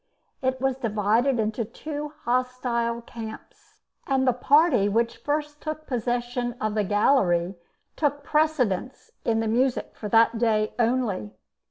It was divided into two hostile camps, and the party which first took possession of the gallery took precedence in the music for that day only.